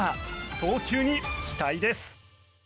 投球に期待です。